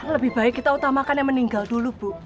lebih baik kita utamakan yang meninggal dulu bu